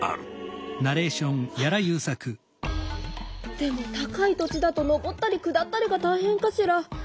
でも高い土地だと登ったり下ったりがたいへんかしら。